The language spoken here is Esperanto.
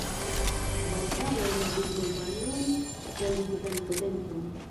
Baldaŭe la digno valoris politikan potencon.